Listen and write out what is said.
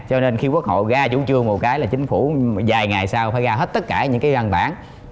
cho nên khi quốc hội ga chủ trương một cái là chính phủ vài ngày sau phải ra hết tất cả những cái văn bản